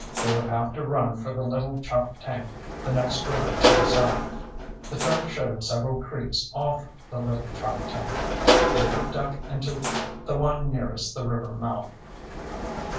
They would have to run for the Little Choptank, the next river to the south. The chart showed several creeks off the Little Choptank. They could duck into the one nearest the river mouth.